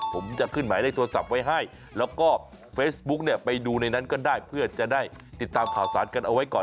ผมจะขึ้นหมายเลขโทรศัพท์ไว้ให้แล้วก็เฟซบุ๊กเนี่ยไปดูในนั้นก็ได้เพื่อจะได้ติดตามข่าวสารกันเอาไว้ก่อน